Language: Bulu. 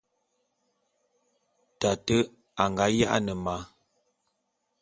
Tate a nga ya'ane ma.